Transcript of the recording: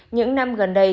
những năm gần đây